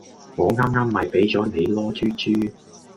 我啱啱咪畀咗你囉豬豬